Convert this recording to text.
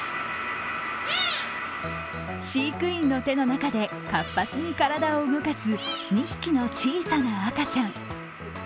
飼育員の手の中で活発に体を動かす２匹の小さな赤ちゃん。